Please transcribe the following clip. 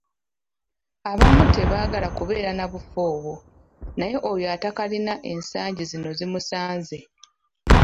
Abamu tebaagala kubeera nabufo obwo, naye oyo atakalina ensangi zino zimusanze.